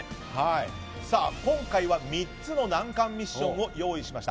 今回は３つの難関ミッションを用意しました。